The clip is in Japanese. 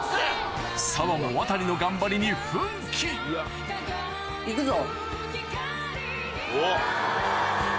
砂羽もワタリの頑張りに奮起いくぞ。